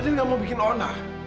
fadil gak mau bikin onar